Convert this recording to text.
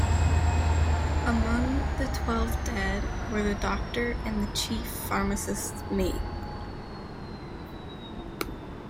Among the twelve dead were the Doctor and the Chief Pharmacist's Mate.